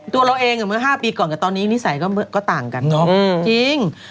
ตัวเราเอง๕ปีก่อนกับตอนนี้นิสัยก็ต่างกัน